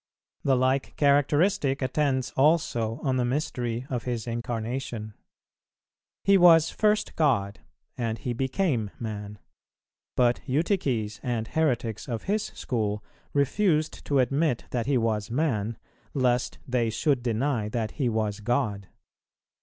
The like characteristic attends also on the mystery of His Incarnation. He was first God and He became man; but Eutyches and heretics of his school refused to admit that He was man, lest they should deny that He was God.